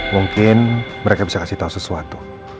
mungkin mereka bisa kasih tahu sesuatu